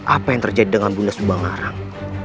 apa yang terjadi dengan bunda subang larang